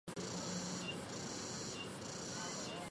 授翰林院编修。